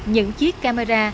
những chiếc camera